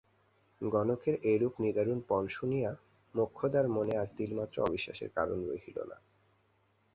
গণকের এইরূপ নিদারুণ পণ শুনিয়া মোক্ষদার মনে আর তিলমাত্র অবিশ্বাসের কারণ রহিল না।